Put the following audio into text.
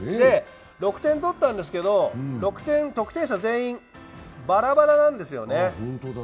６点取ったんですけど、得点者全員、ばらばらなんですよね。